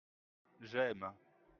J'aime.